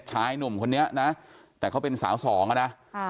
ชายหนุ่มคนนี้นะแต่เขาเป็นสาวสองอ่ะนะ